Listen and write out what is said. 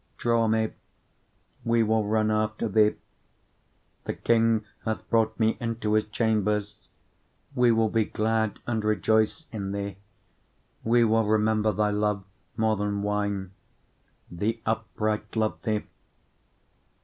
1:4 Draw me, we will run after thee: the king hath brought me into his chambers: we will be glad and rejoice in thee, we will remember thy love more than wine: the upright love thee.